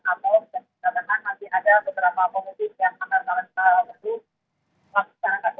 atau kita katakan masih ada beberapa komisi yang anggar anggaran kita butuh